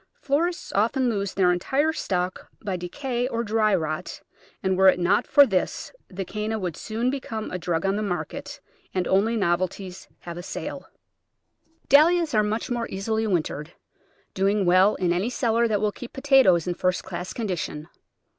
Florists often lose their entire stock by decay or dry rot, and were it not for this the Canna would soon Digitized by Google Seventeen] %ty fatt Of Butt* i«7 become a drug on the market, and only novelties have a sale. Dahlias are much more easily wintered, doing well in any cellar that will keep potatoes in first class con dition.